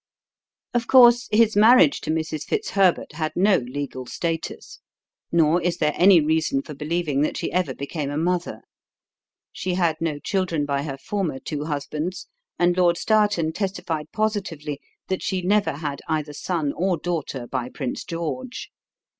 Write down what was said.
Of course, his marriage to Mrs. Fitzherbert had no legal status; nor is there any reason for believing that she ever became a mother. She had no children by her former two husbands, and Lord Stourton testified positively that she never had either son or daughter by Prince George.